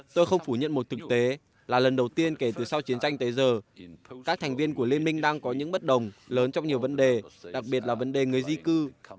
tôi không phủ nhận một thực tế là lần đầu tiên kể từ sau chiến tranh tới giờ các thành viên của liên minh đang có những bất đồng lớn trong nhiều vấn đề đặc biệt là vấn đề người di cư